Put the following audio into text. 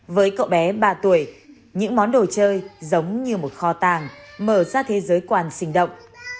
với cậu bé ba tuổi những món đồ chơi giống như một kho tàng mở ra thế giới quan sinh động